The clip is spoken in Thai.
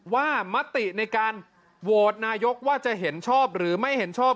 มติในการโหวตนายกว่าจะเห็นชอบหรือไม่เห็นชอบ